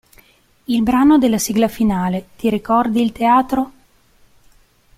Il brano della sigla finale, "Ti ricordi il teatro?